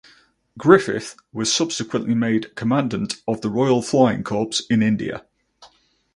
Griffith was subsequently made Commandant of the Royal Flying Corps in India.